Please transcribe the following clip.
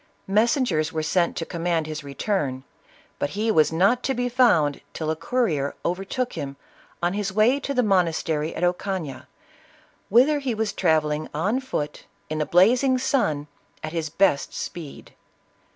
Messengers were sent to command his return, but he was not to be found till a courier overtook him on his way to the monastery at Ocana, whither he was travelling on foot in the blazing sun, at his best speed.